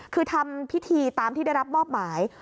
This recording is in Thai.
คือทำพิธีตามที่ได้รับมอบหมาย